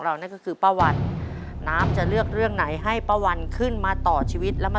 ช่วยเหลืออีกคับ